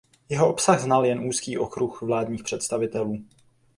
Jeho obsah znal jen úzký okruh vládních představitelů.